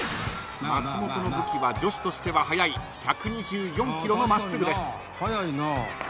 ［松本の武器は女子としては速い１２４キロの真っすぐです］